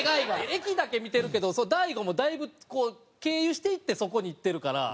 駅だけ見てるけど大悟もだいぶ経由していってそこに行ってるから。